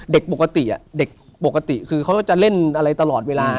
เด็กปกติเด็กปกติคือเขาจะเล่นอะไรตลอดเวลา